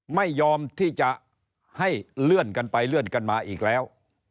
ไม่ยอมที่จะให้เลื่อนกันไปเลื่อนกันมาอีกแล้ว